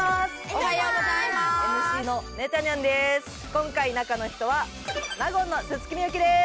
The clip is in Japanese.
今回中の人は納言の薄幸です。